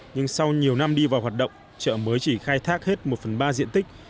nhưng sau nhiều năm đi vào hoạt động chợ mới chỉ khai thác hết một phần ba diện tích